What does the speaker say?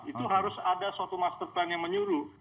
itu harus ada suatu master plan yang menyuruh